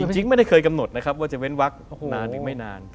จริงไม่ได้เคยกำหนดนะครับว่าจะเว้นวักนานหรือไม่นาน